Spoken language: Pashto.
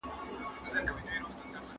څوک غواړي سوداګري په بشپړ ډول کنټرول کړي؟